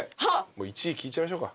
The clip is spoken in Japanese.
１位聞いちゃいましょうか。